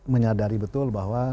menyadari betul bahwa